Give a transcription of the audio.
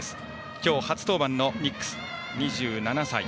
今日、初登板のニックスは２７歳。